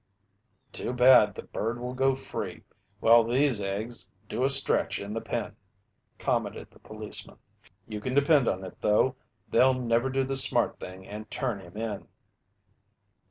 "Too bad the bird will go free, while these eggs do a stretch in the pen," commented the policeman. "You can depend on it though, they'll never do the smart thing and turn him in."